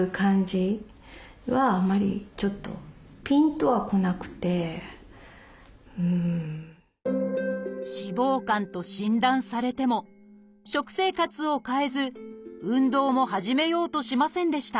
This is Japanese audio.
ところが武井さんは脂肪肝と診断されても食生活を変えず運動も始めようとしませんでした。